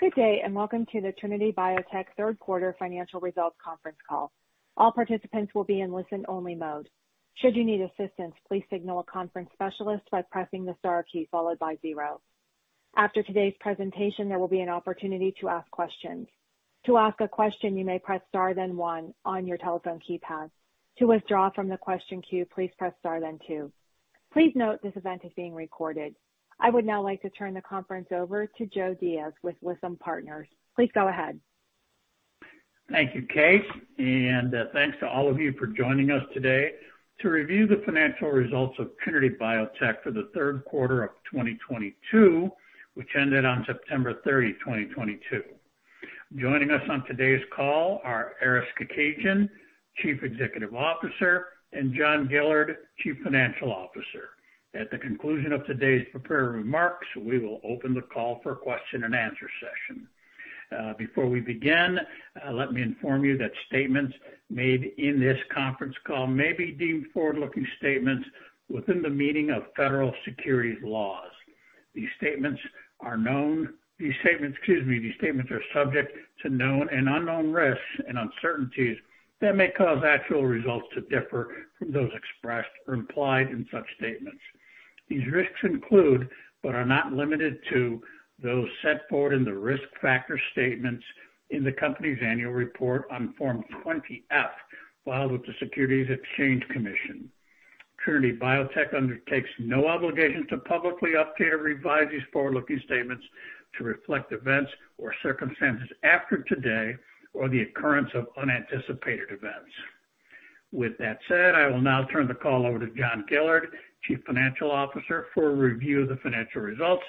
Good day, and welcome to the Trinity Biotech third quarter financial results conference call. All participants will be in listen-only mode. Should you need assistance, please signal a conference specialist by pressing the star key followed by zero. After today's presentation, there will be an opportunity to ask questions. To ask a question, you may press star then one on your telephone keypad. To withdraw from the question queue, please press star then two. Please note this event is being recorded. I would now like to turn the conference over to Joe Diaz with Lytham Partners. Please go ahead. Thank you, Kate, and thanks to all of you for joining us today to review the financial results of Trinity Biotech for the third quarter of 2022, which ended on September 30, 2022. Joining us on today's call are Aris Kekedjian, Chief Executive Officer, and John Gillard, Chief Financial Officer. At the conclusion of today's prepared remarks, we will open the call for a question and answer session. Before we begin, let me inform you that statements made in this conference call may be deemed forward-looking statements within the meaning of Federal securities laws. These statements are subject to known and unknown risks and uncertainties that may cause actual results to differ from those expressed or implied in such statements. These risks include, but are not limited to, those set forward in the risk factor statements in the company's annual report on Form 20-F, filed with the Securities and Exchange Commission. Trinity Biotech undertakes no obligation to publicly update or revise these forward-looking statements to reflect events or circumstances after today or the occurrence of unanticipated events. With that said, I will now turn the call over to John Gillard, Chief Financial Officer, for a review of the financial results.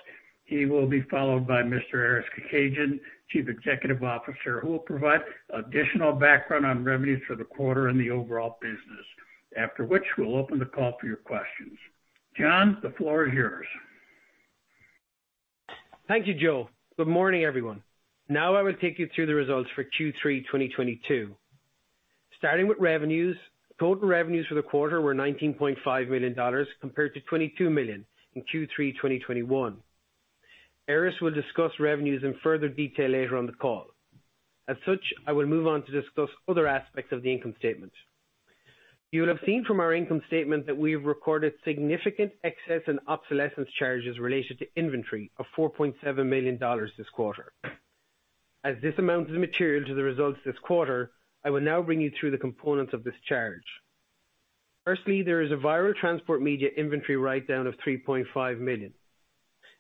He will be followed by Mr. Aris Kekedjian, Chief Executive Officer, who will provide additional background on revenues for the quarter and the overall business. After which, we'll open the call for your questions. John, the floor is yours. Thank you, Joe. Good morning, everyone. I will take you through the results for Q3 2022. Starting with revenues, total revenues for the quarter were $19.5 million compared to $22 million in Q3 2021. Aris will discuss revenues in further detail later on the call. I will move on to discuss other aspects of the income statement. You'll have seen from our income statement that we have recorded significant excess and obsolescence charges related to inventory of $4.7 million this quarter. As this amount is material to the results this quarter, I will now bring you through the components of this charge. Firstly, there is a viral transport media inventory write-down of $3.5 million.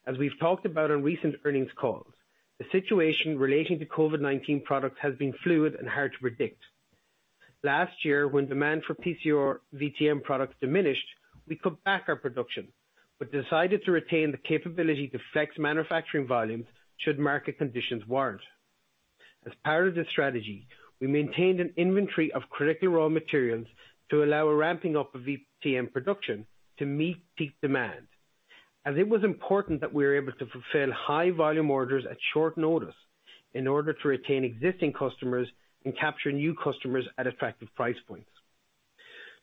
As we've talked about on recent earnings calls, the situation relating to COVID-19 products has been fluid and hard to predict. Last year, when demand for PCR VTM products diminished, we cut back our production, but decided to retain the capability to flex manufacturing volumes should market conditions warrant. As part of this strategy, we maintained an inventory of critical raw materials to allow a ramping up of VTM production to meet peak demand, as it was important that we were able to fulfill high volume orders at short notice in order to retain existing customers and capture new customers at effective price points.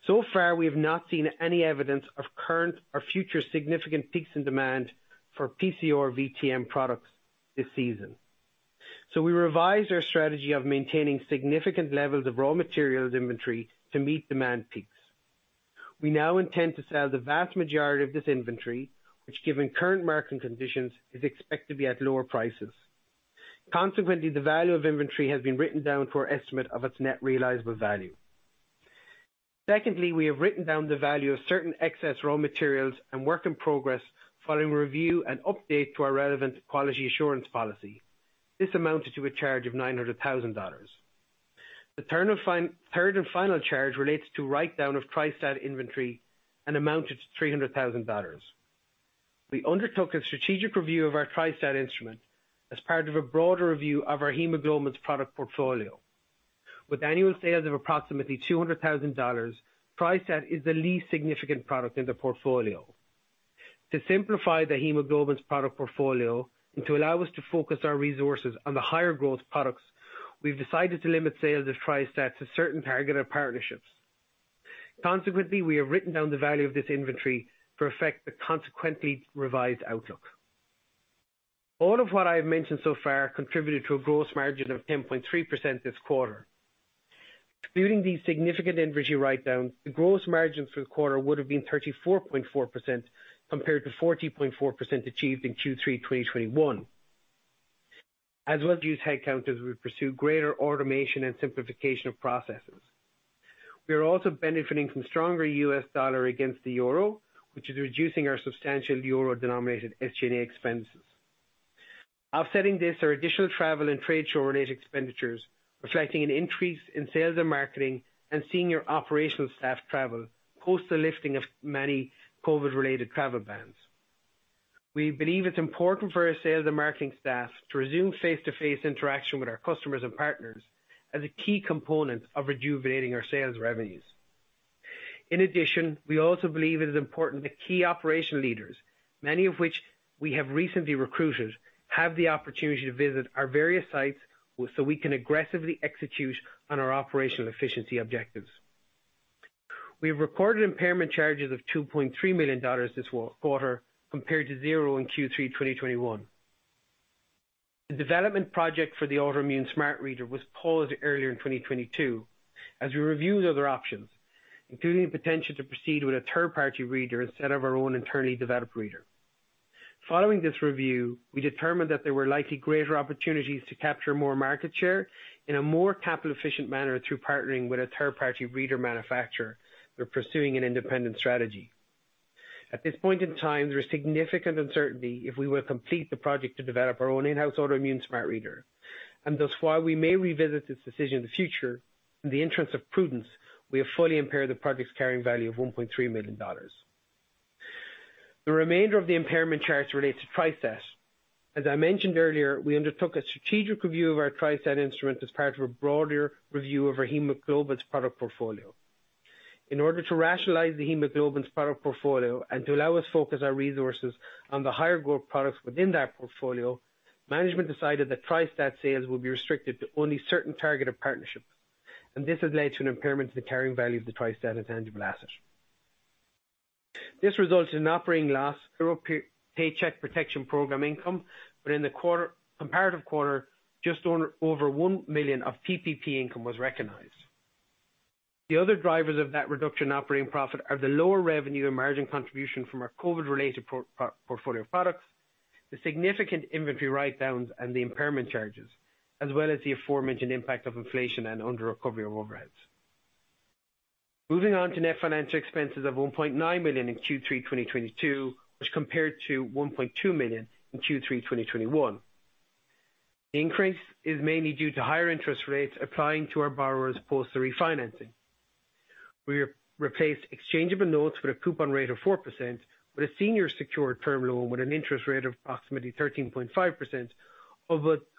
So far, we have not seen any evidence of current or future significant peaks in demand for PCR VTM products this season. We revised our strategy of maintaining significant levels of raw materials inventory to meet demand peaks. We now intend to sell the vast majority of this inventory, which given current market conditions, is expected to be at lower prices. Consequently, the value of inventory has been written down to our estimate of its net realizable value. Secondly, we have written down the value of certain excess raw materials and work in progress following review and update to our relevant quality assurance policy. This amounted to a charge of $900,000. The third and final charge relates to write-down of Tri-stat inventory and amounted to $300,000. We undertook a strategic review of our Tri-stat instrument as part of a broader review of our hemoglobins product portfolio. With annual sales of approximately $200,000, Tri-stat is the least significant product in the portfolio. To simplify the hemoglobins product portfolio and to allow us to focus our resources on the higher growth products, we've decided to limit sales of Tri-stat to certain targeted partnerships. Consequently, we have written down the value of this inventory to reflect the consequently revised outlook. All of what I have mentioned so far contributed to a gross margin of 10.3% this quarter. Excluding these significant inventory write-downs, the gross margin for the quarter would have been 34.4% compared to 40.4% achieved in Q3 2021. As well as use headcounts as we pursue greater automation and simplification of processes. We are also benefiting from stronger U.S. dollar against the euro, which is reducing our substantial euro-denominated SG&A expenses. Offsetting this are additional travel and trade show-related expenditures, reflecting an increase in sales and marketing and senior operational staff travel, post the lifting of many COVID-19-related travel bans. We believe it's important for our sales and marketing staff to resume face-to-face interaction with our customers and partners as a key component of rejuvenating our sales revenues. In addition, we also believe it is important that key operational leaders, many of which we have recently recruited, have the opportunity to visit our various sites so we can aggressively execute on our operational efficiency objectives. We've recorded impairment charges of $2.3 million this quarter compared to zero in Q3 2021. The development project for the autoimmune smart reader was paused earlier in 2022 as we reviewed other options, including the potential to proceed with a third party reader instead of our own internally developed reader. Following this review, we determined that there were likely greater opportunities to capture more market share in a more capital efficient manner through partnering with a third party reader manufacturer for pursuing an independent strategy. At this point in time, there's significant uncertainty if we will complete the project to develop our own in-house autoimmune smart reader, thus while we may revisit this decision in the future, in the interest of prudence, we have fully impaired the project's carrying value of $1.3 million. The remainder of the impairment charge relates to Tri-stat. As I mentioned earlier, we undertook a strategic review of our Tri-stat instrument as part of a broader review of our hemoglobins product portfolio. In order to rationalize the hemoglobins product portfolio and to allow us focus our resources on the higher growth products within that portfolio, management decided that Tri-stat sales will be restricted to only certain targeted partnerships, and this has led to an impairment to the carrying value of the Tri-stat intangible asset. This results in operating loss through our Paycheck Protection Program income, but in the comparative quarter, just under over $1 million of PPP income was recognized. The other drivers of that reduction in operating profit are the lower revenue and margin contribution from our COVID-related portfolio of products, the significant inventory write-downs and the impairment charges, as well as the aforementioned impact of inflation and under recovery of overheads. Moving on to net financial expenses of $1.9 million in Q3 2022, which compared to $1.2 million in Q3 2021. The increase is mainly due to higher interest rates applying to our borrowers post the refinancing. We re-replaced exchangeable notes with a coupon rate of 4% with a senior secured term loan with an interest rate of approximately 13.5%,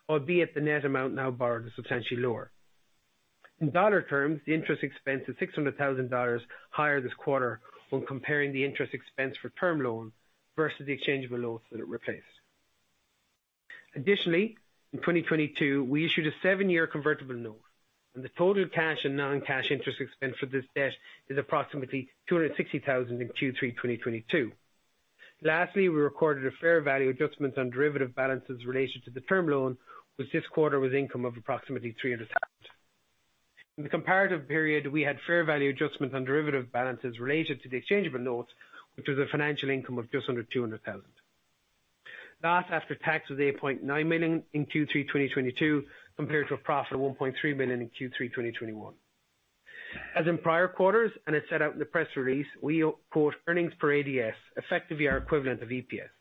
albeit the net amount now borrowed is substantially lower. In dollar terms, the interest expense is $600,000 higher this quarter when comparing the interest expense for term loan versus the exchangeable loans that it replaced. Additionally, in 2022, we issued a seven-year convertible note, and the total cash and non-cash interest expense for this debt is approximately $260,000 in Q3 2022. Lastly, we recorded a fair value adjustment on derivative balances related to the term loan, which this quarter was income of approximately $300,000. In the comparative period, we had fair value adjustments on derivative balances related to the exchangeable notes, which was a financial income of just under $200,000. That after tax was $8.9 million in Q3, 2022, compared to a profit of $1.3 million in Q3, 2021. As in prior quarters, and as set out in the press release, we quote earnings per ADS, effectively our equivalent of EPS.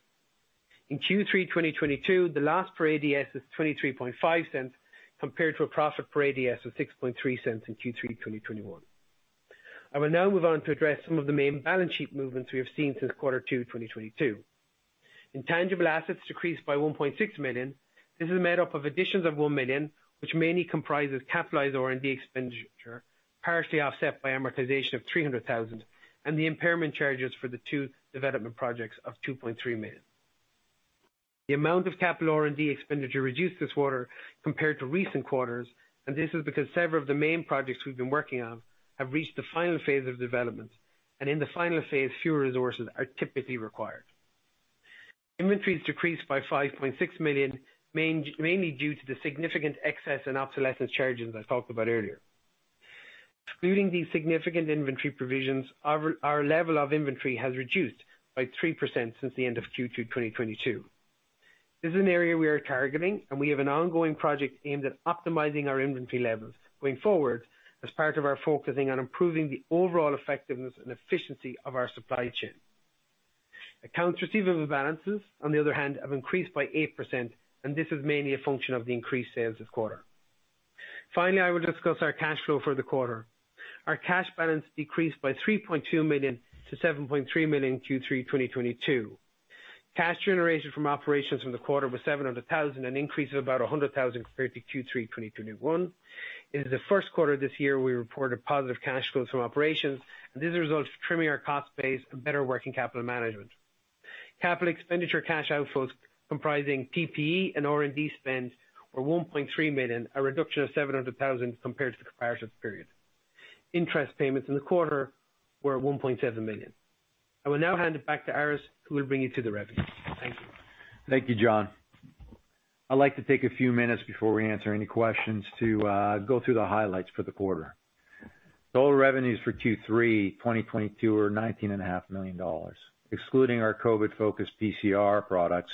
In Q3, 2022, the last per ADS is $0.235, compared to a profit per ADS of $0.063 in Q3, 2021. I will now move on to address some of the main balance sheet movements we have seen since quarter two, 2022. Intangible assets decreased by $1.6 million. This is made up of additions of $1 million, which mainly comprises capitalized R&D expenditure, partially offset by amortization of $300,000, and the impairment charges for the two development projects of $2.3 million. The amount of capital R&D expenditure reduced this quarter compared to recent quarters. This is because several of the main projects we've been working on have reached the final phase of development. In the final phase, fewer resources are typically required. Inventories decreased by $5.6 million, mainly due to the significant excess and obsolescence charges I talked about earlier. Excluding these significant inventory provisions, our level of inventory has reduced by 3% since the end of Q2 2022. This is an area we are targeting. We have an ongoing project aimed at optimizing our inventory levels going forward as part of our focusing on improving the overall effectiveness and efficiency of our supply chain. Accounts receivable balances, on the other hand, have increased by 8%. This is mainly a function of the increased sales this quarter. Finally, I will discuss our cash flow for the quarter. Our cash balance decreased by $3.2 million-$7.3 million in Q3 2022. Cash generation from operations from the quarter was $700,000, an increase of about $100,000 compared to Q3 2021. It is the first quarter this year we reported positive cash flows from operations. This is a result of trimming our cost base and better working capital management. Capital expenditure cash outflows comprising PPE and R&D spends were $1.3 million, a reduction of $700,000 compared to the comparative period. Interest payments in the quarter were $1.7 million. I will now hand it back to Aris, who will bring you to the revenue. Thank you. Thank you, John. I'd like to take a few minutes before we answer any questions to go through the highlights for the quarter. Total revenues for Q3 2022 were $19.5 million. Excluding our COVID-19-focused PCR products,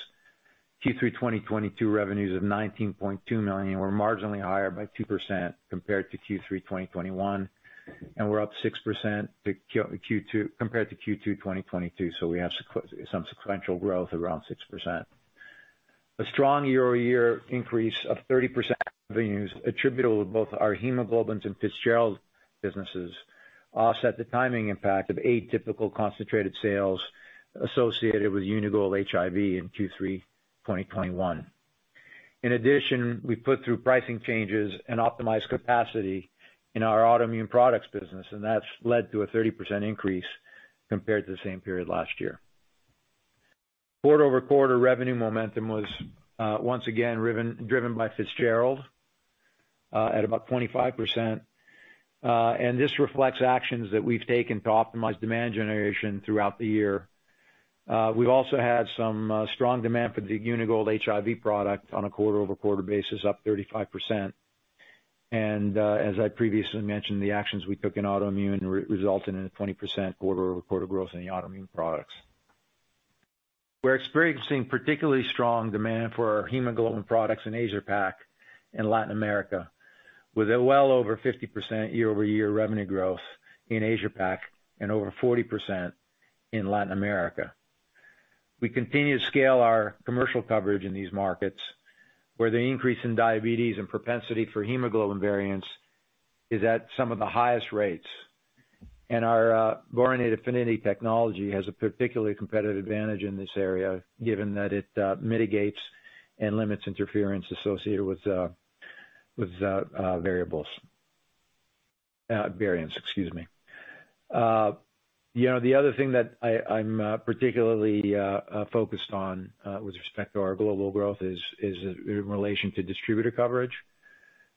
Q3 2022 revenues of $19.2 million were marginally higher by 2% compared to Q3 2021. We're up 6% to Q2 compared to Q2 2022, so we have some sequential growth around 6%. A strong year-over-year increase of 30% revenues attributable to both our hemoglobins and Fitzgerald businesses offset the timing impact of atypical concentrated sales associated with Uni-Gold HIV in Q3 2021. In addition, we put through pricing changes and optimized capacity in our autoimmune products business, and that's led to a 30% increase compared to the same period last year. Quarter-over-quarter revenue momentum was once again driven by Fitzgerald at about 25%. This reflects actions that we've taken to optimize demand generation throughout the year. We've also had some strong demand for the Uni-Gold HIV product on a quarter-over-quarter basis, up 35%. As I previously mentioned, the actions we took in autoimmune resulted in a 20% quarter-over-quarter growth in the autoimmune products. We're experiencing particularly strong demand for our hemoglobin products in Asia Pac and Latin America, with a well over 50% year-over-year revenue growth in Asia Pac and over 40% in Latin America. We continue to scale our commercial coverage in these markets, where the increase in diabetes and propensity for hemoglobin variants is at some of the highest rates. Our boronate affinity technology has a particularly competitive advantage in this area, given that it mitigates and limits interference associated with variables. Variants, excuse me. You know, the other thing that I'm particularly focused on, with respect to our global growth is in relation to distributor coverage.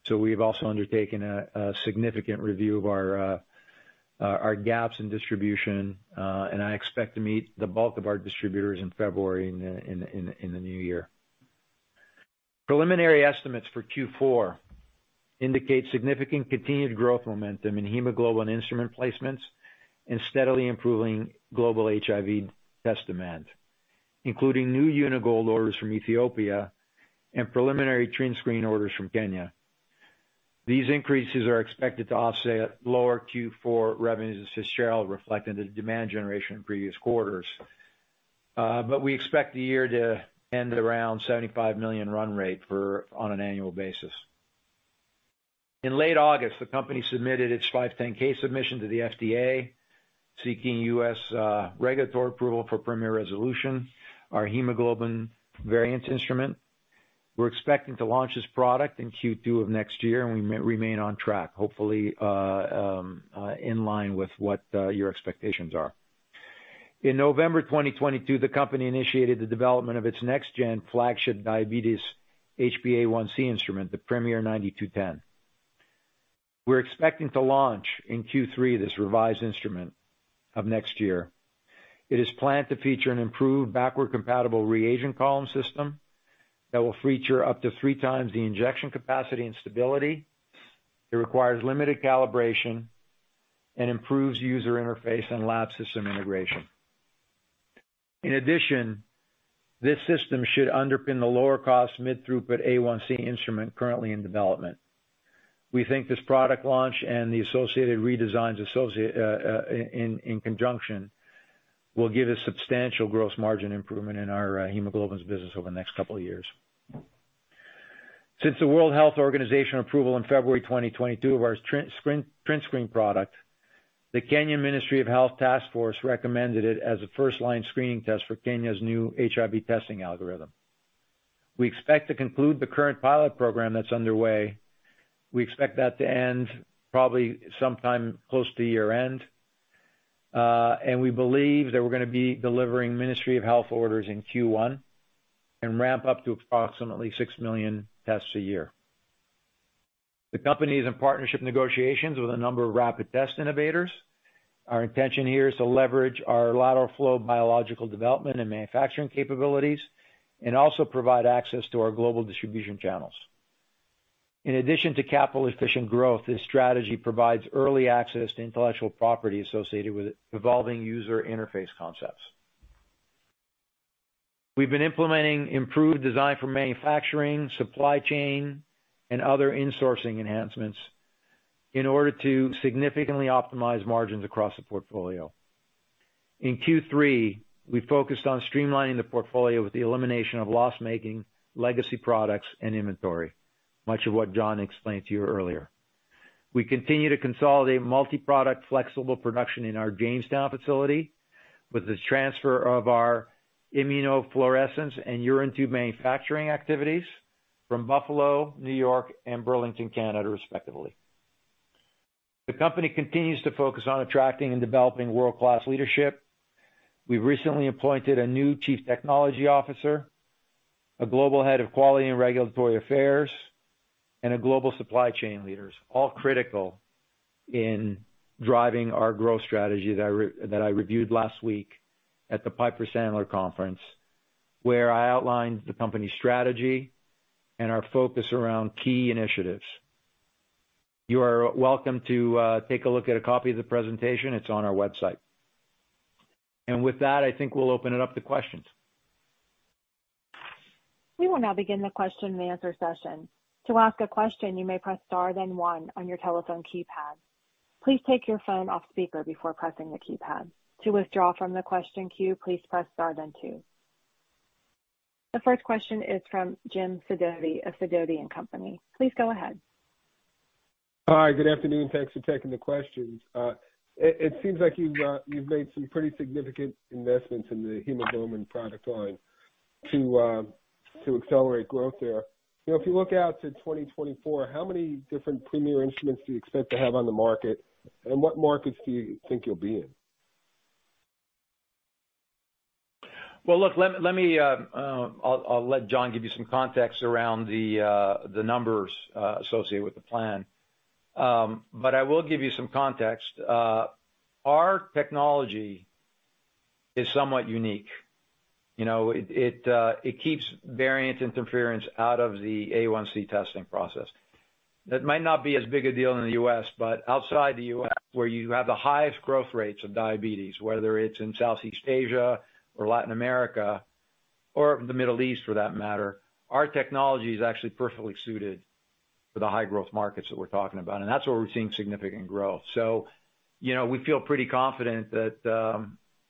We've also undertaken a significant review of our gaps in distribution. I expect to meet the bulk of our distributors in February in the new year. Preliminary estimates for Q4 indicate significant continued growth momentum in hemoglobin instrument placements and steadily improving global HIV test demand, including new Uni-Gold orders from Ethiopia and preliminary TrinScreen orders from Kenya. These increases are expected to offset lower Q4 revenues as Fitzgerald reflected the demand generation in previous quarters. We expect the year to end around $75 million run rate for on an annual basis. In late August, the company submitted its 510(k) submission to the FDA, seeking U.S. regulatory approval for Premier Resolution, our hemoglobin variance instrument. We're expecting to launch this product in Q2 of next year, and we remain on track, hopefully, in line with what your expectations are. In November 2022, the company initiated the development of its next gen flagship diabetes HbA1c instrument, the Premier 9210. We're expecting to launch in Q3, this revised instrument of next year. It is planned to feature an improved backward-compatible reagent column system that will feature up to 3 times the injection capacity and stability. It requires limited calibration and improves user interface and lab system integration. In addition, this system should underpin the lower cost mid-throughput A1C instrument currently in development. We think this product launch and the associated redesigns associate in conjunction, will give a substantial gross margin improvement in our hemoglobins business over the next couple of years. Since the World Health Organization approval in February 2022 of our TrinScreen product, the Kenyan Ministry of Health Task Force recommended it as a first-line screening test for Kenya's new HIV testing algorithm. We expect to conclude the current pilot program that's underway. We expect that to end probably sometime close to year-end. We believe that we're gonna be delivering Ministry of Health orders in Q1 and ramp up to approximately six million tests a year. The company is in partnership negotiations with a number of rapid test innovators. Our intention here is to leverage our lateral flow biological development and manufacturing capabilities and also provide access to our global distribution channels. In addition to capital efficient growth, this strategy provides early access to intellectual property associated with evolving user interface concepts. We've been implementing improved design for manufacturing, supply chain, and other insourcing enhancements in order to significantly optimize margins across the portfolio. In Q3, we focused on streamlining the portfolio with the elimination of loss-making legacy products and inventory, much of what John explained to you earlier. We continue to consolidate multi-product flexible production in our Jamestown facility with the transfer of our immunofluorescence and urine tube manufacturing activities from Buffalo, New York, and Burlington, Canada, respectively. The company continues to focus on attracting and developing world-class leadership. We've recently appointed a new Chief Technology Officer, a Global Head of Quality and Regulatory Affairs, and a Global Supply Chain Leaders, all critical in driving our growth strategy that I reviewed last week at the Piper Sandler conference, where I outlined the company's strategy and our focus around key initiatives. You are welcome to take a look at a copy of the presentation. It's on our website. With that, I think we'll open it up to questions. We will now begin the question and answer session. To ask a question, you may press star then one on your telephone keypad. Please take your phone off speaker before pressing the keypad. To withdraw from the question queue, please press star then two. The first question is from Jim Sidoti of Sidoti & Company. Please go ahead. Hi, good afternoon. Thanks for taking the questions. It seems like you've made some pretty significant investments in the hemoglobin product line to accelerate growth there. You know, if you look out to 2024, how many different Premier instruments do you expect to have on the market? What markets do you think you'll be in? Look, let me, I'll let John give you some context around the numbers associated with the plan. I will give you some context. Our technology is somewhat unique. You know, it keeps variant interference out of the A1C testing process. That might not be as big a deal in the U.S., but outside the U.S., where you have the highest growth rates of diabetes, whether it's in Southeast Asia or Latin America or the Middle East, for that matter, our technology is actually perfectly suited for the high growth markets that we're talking about, and that's where we're seeing significant growth. You know, we feel pretty confident that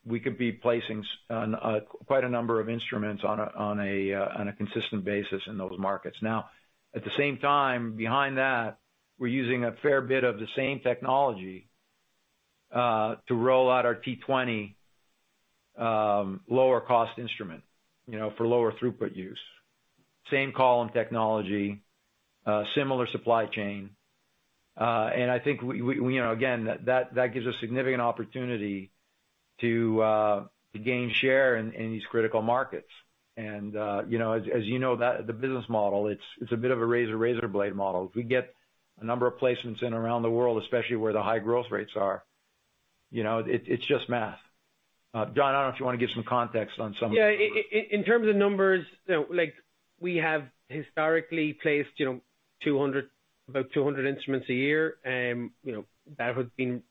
we could be placing quite a number of instruments on a consistent basis in those markets. At the same time, behind that, we're using a fair bit of the same technology to roll out our T-20, lower cost instrument, you know, for lower throughput use. Same column technology, similar supply chain. I think we, you know, again, that gives us significant opportunity to gain share in these critical markets. You know, as you know, that... the business model, it's a bit of a razor blade model. If we get a number of placements around the world, especially where the high growth rates are, you know, it's just math. John, I don't know if you wanna give some context on some of the numbers. Yeah. In terms of numbers, you know, like we have historically placed, you know, 200... about 200 instruments a year. You know, that has been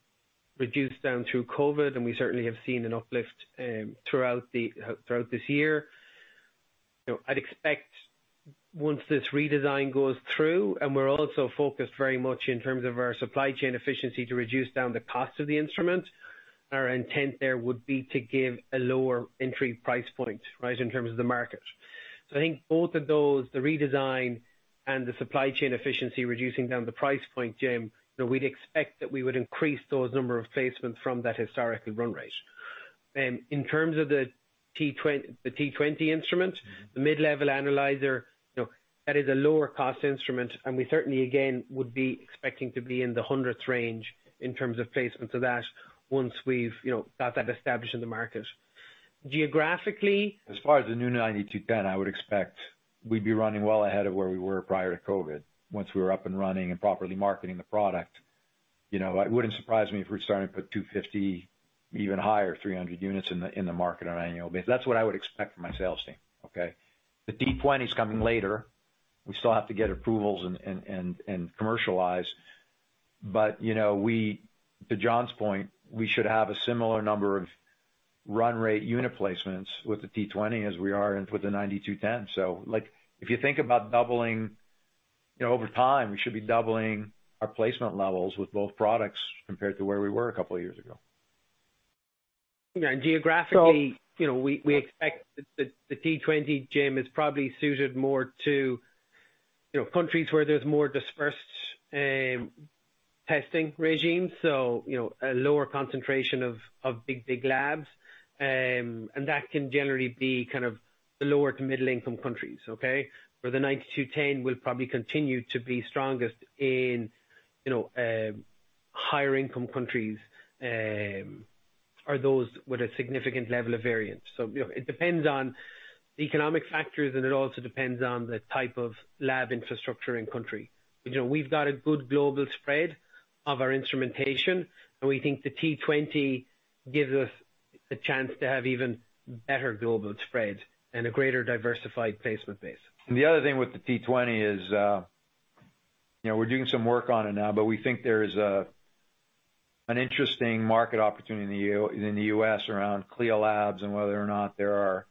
reduced down through COVID, and we certainly have seen an uplift throughout this year. You know, I'd expect once this redesign goes through and we're also focused very much in terms of our supply chain efficiency to reduce down the cost of the instrument, our intent there would be to give a lower entry price point, right, in terms of the market. I think both of those, the redesign and the supply chain efficiency, reducing down the price point, Jim, you know, we'd expect that we would increase those number of placements from that historical run rate. In terms of the T-20 instrument- Mm-hmm. ...the mid-level analyzer, you know, that is a lower cost instrument, and we certainly, again, would be expecting to be in the hundreds range in terms of placement of that once we've, you know, got that established in the market. As far as the new Hb9210, I would expect we'd be running well ahead of where we were prior to COVID. Once we're up and running and properly marketing the product, you know, it wouldn't surprise me if we're starting to put 250, even higher, 300 units in the market on an annual basis. That's what I would expect from my sales team, okay? The T-20's coming later. We still have to get approvals and commercialize. You know, we to John's point, we should have a similar number of run rate unit placements with the T-20 as we are with the Hb9210. Like, if you think about doubling, you know, over time, we should be doubling our placement levels with both products compared to where we were a couple of years ago. You know, geographically, you know, we expect the T-20, Jim, is probably suited more to, you know, countries where there's more dispersed testing regimes, so, you know, a lower concentration of big labs. That can generally be kind of the lower to middle-income countries, okay? Where the Hb9210 will probably continue to be strongest in, you know, higher income countries, or those with a significant level of variance. It depends on the economic factors and it also depends on the type of lab infrastructure in country. You know, we've got a good global spread of our instrumentation, and we think the T-20 gives us a chance to have even better global spread and a greater diversified placement base. The other thing with the T-20 is, you know, we're doing some work on it now, but we think there is an interesting market opportunity in the U.S. around CLIA labs and whether or not there are,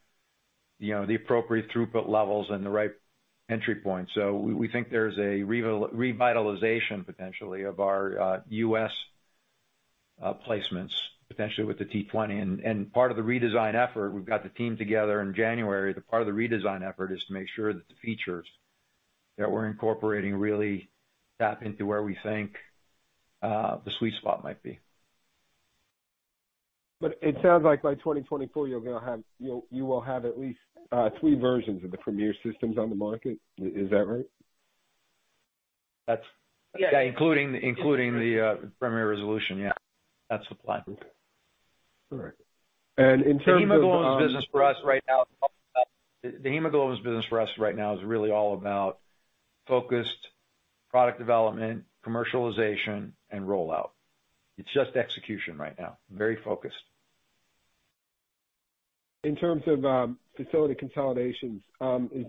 you know, the appropriate throughput levels and the right entry point. We think there's a revitalization, potentially, of our U.S. placements, potentially with the T-20. Part of the redesign effort, we've got the team together in January. The part of the redesign effort is to make sure that the features that we're incorporating really tap into where we think the sweet spot might be. It sounds like by 2024, you will have at least three versions of the Premier systems on the market. Is that right? That's- Yeah. Yeah, including the Premier Resolution. Yeah. That's the plan. Okay. All right. In terms of- The hemoglobin business for us right now is really all about focused product development, commercialization, and rollout. It's just execution right now. Very focused. ...in terms of facility consolidations,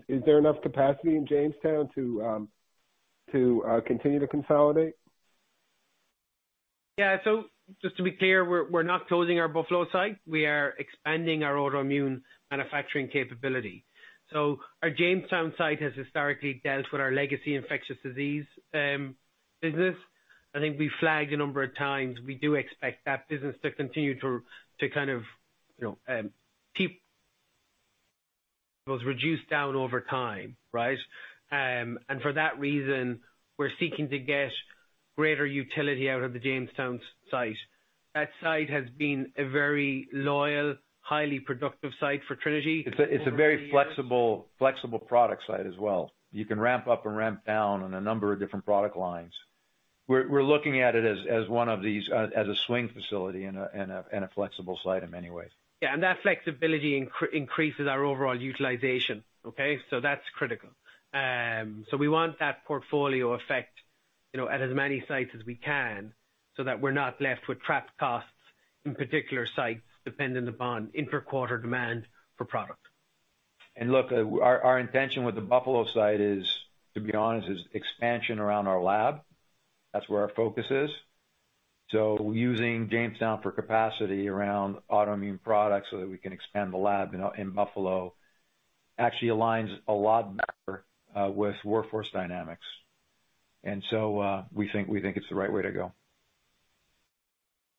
is there enough capacity in Jamestown to continue to consolidate? Yeah. Just to be clear, we're not closing our Buffalo site. We are expanding our autoimmune manufacturing capability. Our Jamestown site has historically dealt with our legacy infectious disease business. I think we flagged a number of times, we do expect that business to continue to kind of, you know. It was reduced down over time, right? For that reason, we're seeking to get greater utility out of the Jamestown site. That site has been a very loyal, highly productive site for Trinity. It's a very flexible product site as well. You can ramp up and ramp down on a number of different product lines. We're looking at it as one of these as a swing facility and a flexible site in many ways. That flexibility increases our overall utilization. Okay? That's critical. We want that portfolio effect, you know, at as many sites as we can so that we're not left with trapped costs in particular sites dependent upon inter-quarter demand for product. Look, our intention with the Buffalo site is, to be honest, is expansion around our lab. That's where our focus is. Using Jamestown for capacity around autoimmune products so that we can expand the lab in Buffalo actually aligns a lot better with workforce dynamics. So, we think it's the right way to go.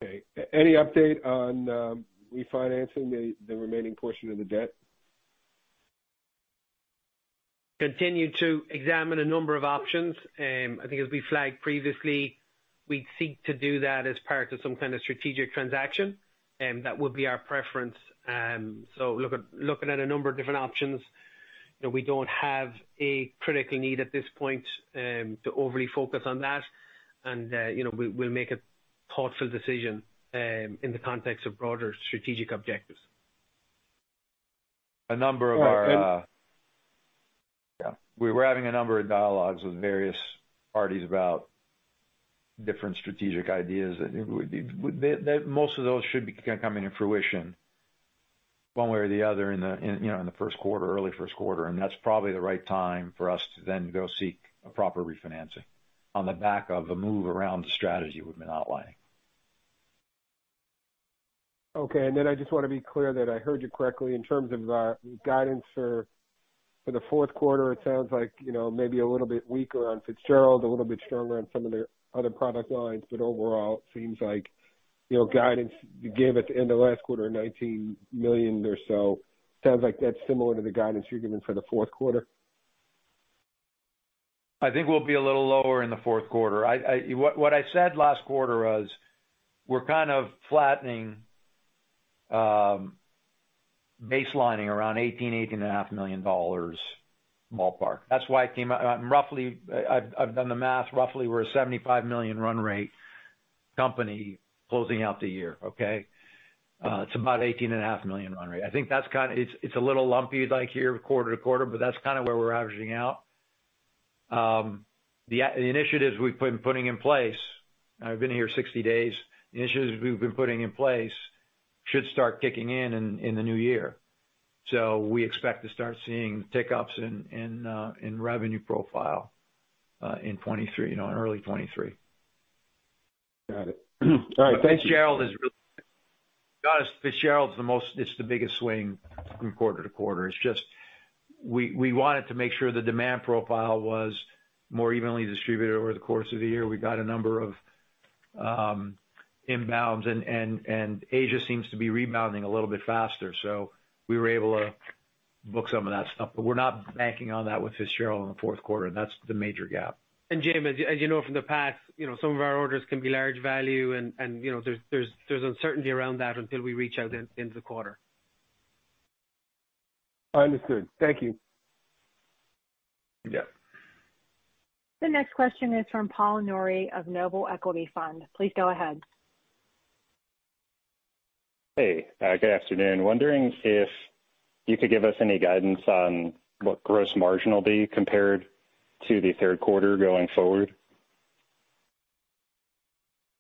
Okay. Any update on refinancing the remaining portion of the debt? Continue to examine a number of options. I think as we flagged previously, we'd seek to do that as part of some kind of strategic transaction, that would be our preference. So looking at a number of different options. You know, we don't have a critical need at this point, to overly focus on that. You know, we'll make a thoughtful decision, in the context of broader strategic objectives. A number of our, Yeah. We're having a number of dialogues with various parties about different strategic ideas. That would be... most of those should be coming to fruition one way or the other in the, you know, in the first quarter, early first quarter. That's probably the right time for us to then go seek a proper refinancing on the back of a move around the strategy we've been outlining. Okay. Then I just wanna be clear that I heard you correctly. In terms of the guidance for the fourth quarter, it sounds like, you know, maybe a little bit weaker on Fitzgerald, a little bit stronger on some of the other product lines, but overall, it seems like, you know, guidance you gave at the end of last quarter, $19 million or so, sounds like that's similar to the guidance you're giving for the fourth quarter. I think we'll be a little lower in the fourth quarter. I What I said last quarter was we're kind of flattening, baselining around $18 and a half million ballpark. That's why it came out. Roughly, I've done the math, roughly we're a $75 million run rate company closing out the year. Okay? It's about $18 and a half million run rate. I think that's kind. It's a little lumpy like here quarter to quarter, but that's kind of where we're averaging out. The initiatives we've been putting in place, I've been here 60 days. Initiatives we've been putting in place should start kicking in the new year. We expect to start seeing tick ups in revenue profile in 2023, you know, in early 2023. Got it. All right, thank you. Fitzgerald is really. To be honest, Fitzgerald is the most. It's the biggest swing from quarter to quarter. It's just we wanted to make sure the demand profile was more evenly distributed over the course of the year. We got a number of inbounds and Asia seems to be rebounding a little bit faster. We were able to book some of that stuff, but we're not banking on that with Fitzgerald in the fourth quarter, and that's the major gap. Jim, as you know from the past, you know, some of our orders can be large value and, you know, there's uncertainty around that until we reach out into the quarter. Understood. Thank you. Yeah. The next question is from Paul Nouri of Noble Equity Fund, LP. Please go ahead. Hey, good afternoon. Wondering if you could give us any guidance on what gross margin will be compared to the third quarter going forward?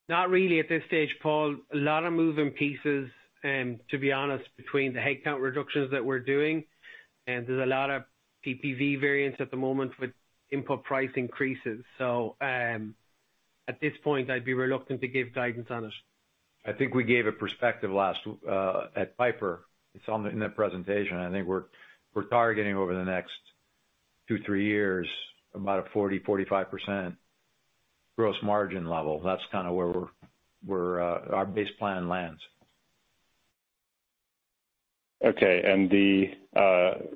Not really at this stage, Paul. A lot of moving pieces, to be honest, between the headcount reductions that we're doing, and there's a lot of PPV variants at the moment with input price increases. At this point, I'd be reluctant to give guidance on it. I think we gave a perspective last at Piper. It's in the presentation. I think we're targeting over the next two, three years about a 40%-45% gross margin level. That's kinda where we're our base plan lands. Okay. The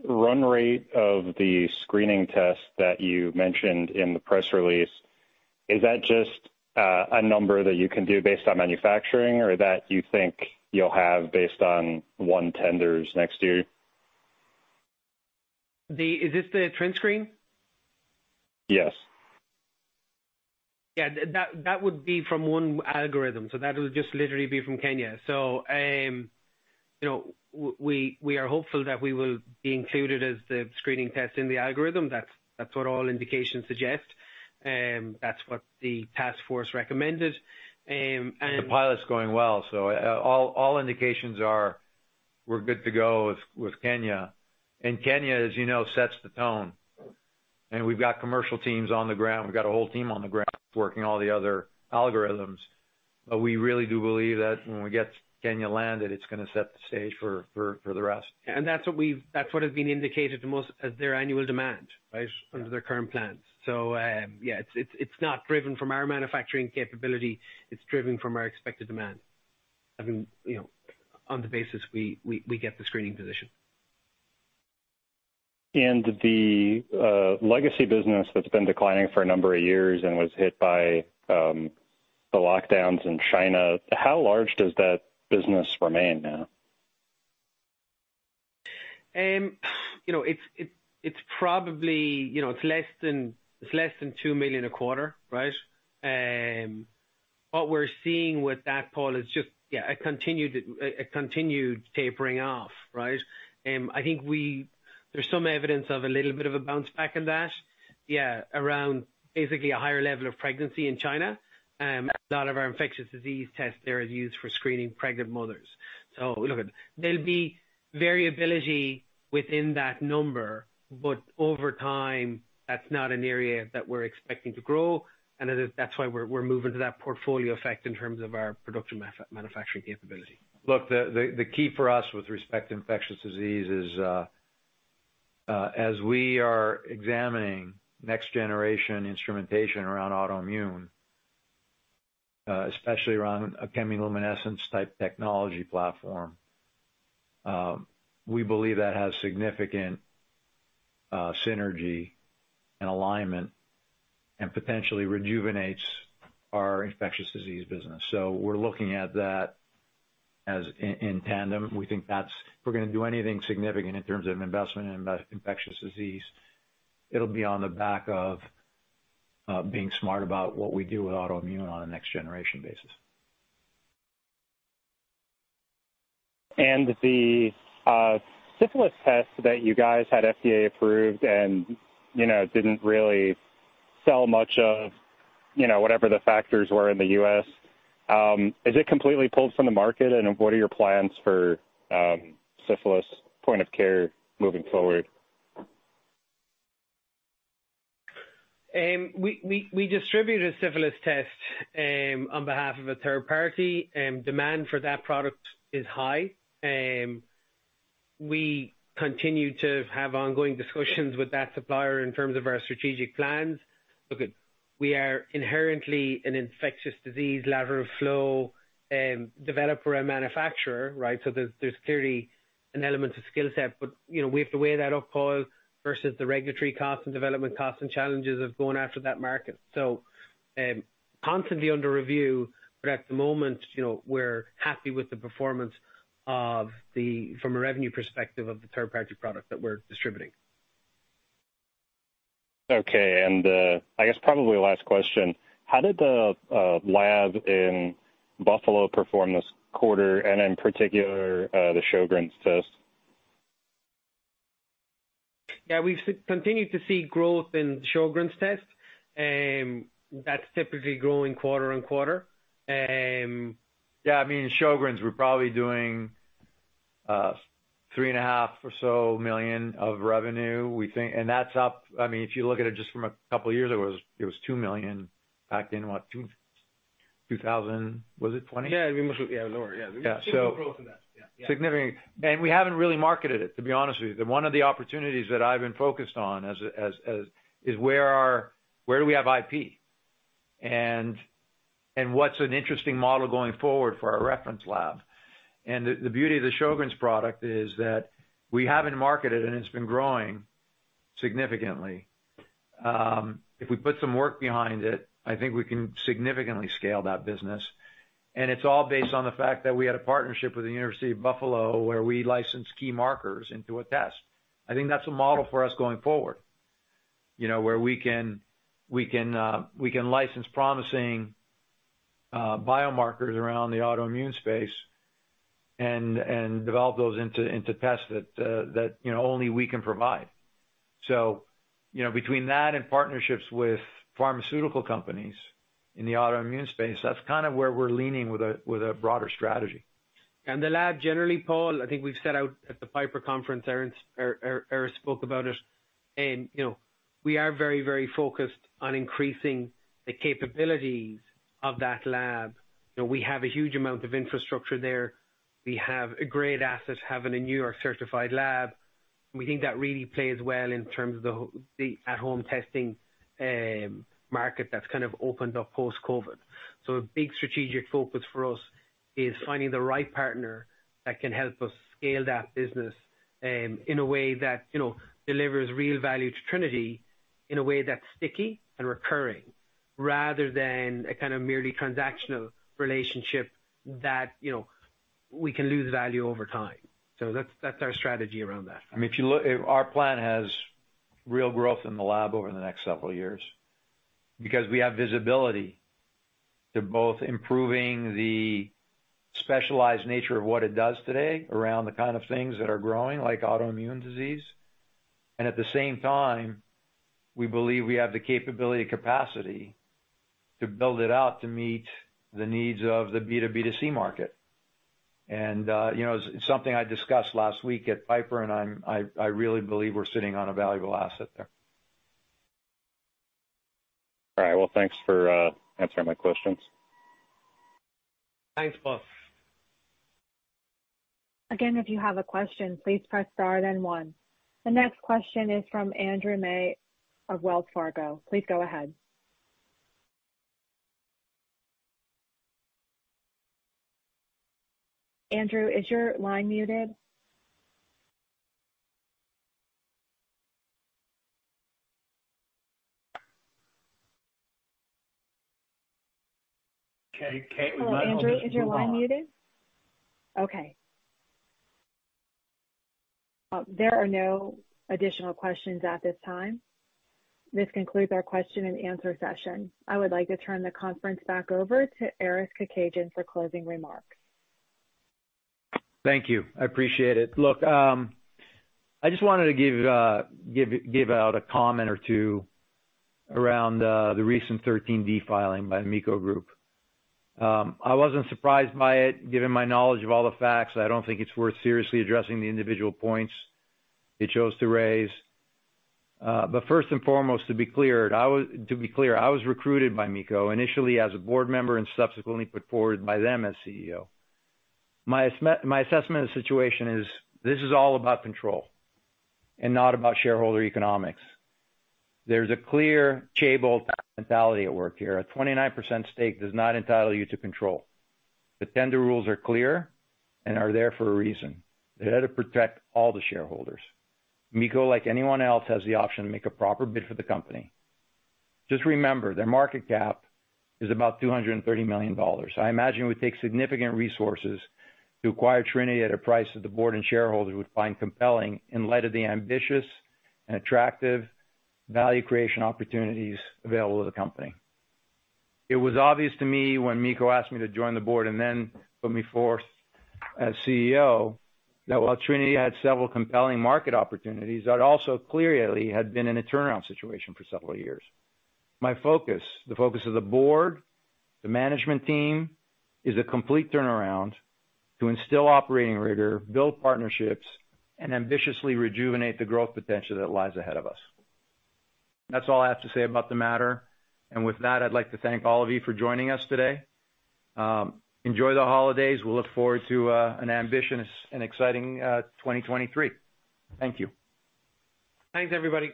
run rate of the screening test that you mentioned in the press release, is that just a number that you can do based on manufacturing or that you think you'll have based on won tenders next year? The... Is this the TrinScreen? Yes. Yeah. That would be from one algorithm. That would just literally be from Kenya. you know, we are hopeful that we will be included as the screening test in the algorithm. That's what all indications suggest, that's what the Task Force recommended. The pilot's going well, all indications are we're good to go with Kenya. Kenya, as you know, sets the tone. We've got commercial teams on the ground. We've got a whole team on the ground working all the other algorithms. We really do believe that when we get Kenya landed, it's gonna set the stage for the rest. That's what has been indicated the most as their annual demand. Right. Under their current plans. Yeah, it's not driven from our manufacturing capability. It's driven from our expected demand. I mean, you know, on the basis we get the screening position. The legacy business that's been declining for a number of years and was hit by the lockdowns in China, how large does that business remain now? You know, it's less than $2 million a quarter, right? What we're seeing with that, Paul, is just a continued tapering off, right? I think there's some evidence of a little bit of a bounce back in that, around basically a higher level of pregnancy in China. A lot of our infectious disease tests there is used for screening pregnant mothers. Look, there'll be variability within that number, but over time, that's not an area that we're expecting to grow, and That's why we're moving to that portfolio effect in terms of our production manufacturing capability. Look, the key for us with respect to infectious disease is, as we are examining next generation instrumentation around autoimmune, especially around a chemiluminescence type technology platform, we believe that has significant synergy and alignment and potentially rejuvenates our infectious disease business. We're looking at that as in tandem. We think that's. If we're gonna do anything significant in terms of investment in infectious disease, it'll be on the back of being smart about what we do with autoimmune on a next generation basis. The syphilis test that you guys had FDA approved and, you know, didn't really sell much of, you know, whatever the factors were in the U.S., is it completely pulled from the market? What are your plans for syphilis point of care moving forward? We distributed a syphilis test on behalf of a third party, demand for that product is high. We continue to have ongoing discussions with that supplier in terms of our strategic plans. Look, we are inherently an infectious disease lateral flow developer and manufacturer, right? There's clearly an element of skill set. You know, we have to weigh that up, Paul, versus the regulatory costs and development costs and challenges of going after that market. Constantly under review, but at the moment, you know, we're happy with the performance of the from a revenue perspective, of the therapeutic product that we're distributing. Okay. I guess probably last question: How did the lab in Buffalo perform this quarter and in particular, the Sjögren's test? Yeah, we've continued to see growth in Sjögren's test. That's typically growing quarter and quarter. Yeah, I mean, in Sjögren's, we're probably doing, $3.5 million or so of revenue, we think. I mean, if you look at it just from a couple years ago, it was $2 million back in, what, 2000, was it 2020? Yeah, it was, yeah, it was lower. Yeah. Yeah. Significant growth in that. Yeah. Significant. We haven't really marketed it, to be honest with you. One of the opportunities that I've been focused on is where do we have IP? What's an interesting model going forward for our reference lab? The beauty of the Sjögren's product is that we haven't marketed, and it's been growing significantly. If we put some work behind it, I think we can significantly scale that business. It's all based on the fact that we had a partnership with the University at Buffalo, where we licensed key markers into a test. I think that's a model for us going forward, you know, where we can license promising biomarkers around the autoimmune space and develop those into tests that, you know, only we can provide. You know, between that and partnerships with pharmaceutical companies in the autoimmune space, that's kind of where we're leaning with a broader strategy. The lab generally, Paul, I think we've set out at the Piper conference, Aris spoke about it. You know, we are very focused on increasing the capabilities of that lab. You know, we have a huge amount of infrastructure there. We have a great asset having a New York certified lab. We think that really plays well in terms of the at home testing market that's kind of opened up post-COVID. A big strategic focus for us is finding the right partner that can help us scale that business in a way that, you know, delivers real value to Trinity in a way that's sticky and recurring, rather than a kind of merely transactional relationship that, you know, we can lose value over time. That's our strategy around that. I mean, our plan has real growth in the lab over the next several years because we have visibility to both improving the specialized nature of what it does today around the kind of things that are growing, like autoimmune disease, and at the same time, we believe we have the capability capacity to build it out to meet the needs of the B2B2C market. It's something I discussed last week at Piper, and I really believe we're sitting on a valuable asset there. All right. Well, thanks for answering my questions. Thanks, Paul. Again, if you have a question, please press star then one. The next question is from Andrew May of Wells Fargo. Please go ahead. Andrew, is your line muted? Kate, we might all just move on. Hello, Andrew, is your line muted? Okay. There are no additional questions at this time. This concludes our question and answer session. I would like to turn the conference back over to Aris Kekedjian for closing remarks. Thank you. I appreciate it. Look, I just wanted to give out a comment or two around the recent 13D filing by MiCo Group. I wasn't surprised by it, given my knowledge of all the facts. I don't think it's worth seriously addressing the individual points they chose to raise. First and foremost, to be clear, I was recruited by MiCo initially as a board member and subsequently put forward by them as CEO. My assessment of the situation is this is all about control and not about shareholder economics. There's a clear table mentality at work here. A 29% stake does not entitle you to control. The tender rules are clear and are there for a reason. They're there to protect all the shareholders. MiCo, like anyone else, has the option to make a proper bid for the company. Just remember, their market cap is about $230 million. I imagine it would take significant resources to acquire Trinity at a price that the board and shareholders would find compelling in light of the ambitious and attractive value creation opportunities available to the company. It was obvious to me when MiCo asked me to join the board and then put me forth as CEO, that while Trinity had several compelling market opportunities, that also clearly had been in a turnaround situation for several years. My focus, the focus of the board, the management team, is a complete turnaround to instill operating rigor, build partnerships, and ambitiously rejuvenate the growth potential that lies ahead of us. That's all I have to say about the matter. With that, I'd like to thank all of you for joining us today. Enjoy the holidays. We'll look forward to an ambitious and exciting 2023. Thank you. Thanks, everybody.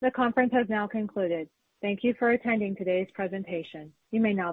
The conference has now concluded. Thank you for attending today's presentation. You may now disconnect.